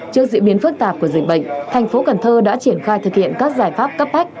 trước diễn biến phức tạp của dịch bệnh thành phố cần thơ đã triển khai thực hiện các giải pháp cấp bách